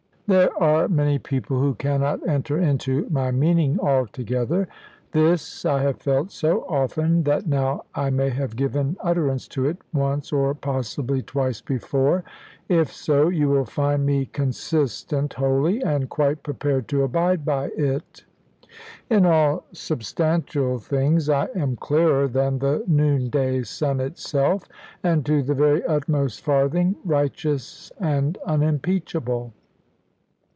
There are many people who cannot enter into my meaning altogether. This I have felt so often that now I may have given utterance to it once or possibly twice before. If so, you will find me consistent wholly, and quite prepared to abide by it. In all substantial things I am clearer than the noon day sun itself; and, to the very utmost farthing, righteous and unimpeachable.